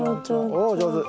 おお上手。